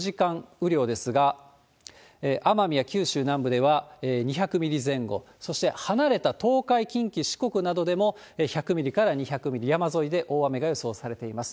雨量ですが、奄美や九州南部では２００ミリ前後、そして離れた東海、近畿、四国などでも１００ミリから２００ミリ、山沿いで大雨が予想されています。